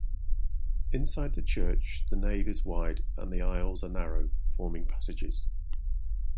Inside the church, the nave is wide and the aisles are narrow, forming passages.